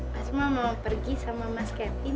pas mama mau pergi sama mas kevin